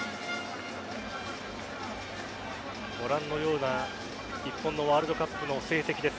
ご覧のような日本のワールドカップの成績です。